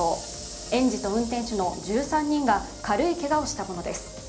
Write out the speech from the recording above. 園児と運転手の１３人が軽いけがをしたものです。